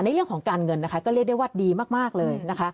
ในเรื่องของการเงินนะคะก็เรียกได้ว่าดีมากเลยนะคะ